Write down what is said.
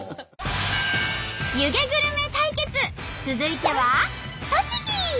湯気グルメ対決続いては栃木。